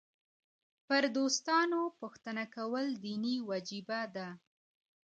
پر دوستانو پوښتنه کول دیني وجیبه ده.